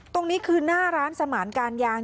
ตรงนี้คือหน้าร้านสมานการยาง